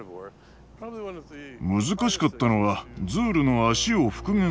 難しかったのはズールの脚を復元することでした。